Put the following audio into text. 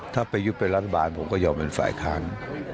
ถ้าประยุทธ์เป็นรัฐบาลผมก็ยอมเป็นฝ่ายค้าน